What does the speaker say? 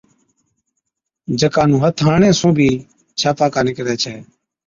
جڪا نُون هٿ هڻڻي سُون بِي ڇاپاڪا نِڪرَي ڇَي۔